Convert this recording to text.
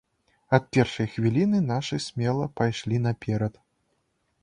Ад першай хвіліны нашы смела пайшлі наперад.